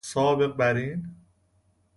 سابق براین